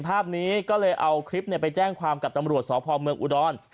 ภาพนี้ก็เลยเอาคลิปไปแจ้งความกับตำรวจสพเมืองอุดร